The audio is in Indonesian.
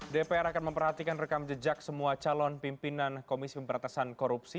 dpr akan memperhatikan rekam jejak semua calon pimpinan komisi pemberantasan korupsi